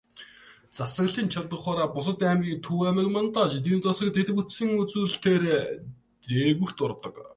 Засаглалын чадавхаараа бусад аймгийг Төв аймаг манлайлж, эдийн засаг, дэд бүтцийн үзүүлэлтээрээ дээгүүрт ордог.